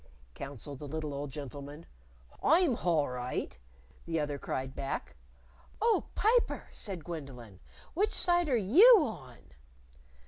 counseled the little old gentleman. "I'm hall right," the other cried back. "Oh, Piper!" said Gwendolyn; "which side are you on?"